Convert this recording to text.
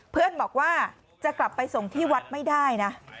เพื่อนบอกว่าจะกลับไปส่งที่วัดไม่ได้นะ